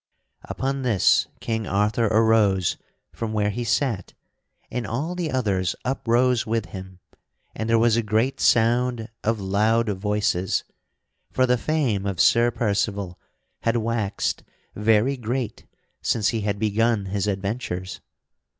Upon this King Arthur arose from where he sat and all the others uprose with him and there was a great sound of loud voices; for the fame of Sir Percival had waxed very great since he had begun his adventures.